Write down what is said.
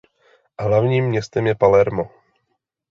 Hlavním městem je Palermo.